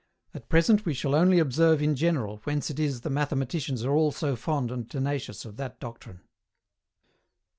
At present we shall only observe in general whence it is the mathematicians are all so fond and tenacious of that doctrine.